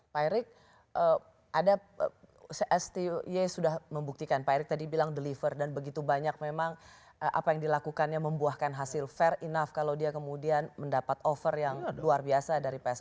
pak erik adasti sudah membuktikan pak erick tadi bilang deliver dan begitu banyak memang apa yang dilakukannya membuahkan hasil fair enough kalau dia kemudian mendapat over yang luar biasa dari pssi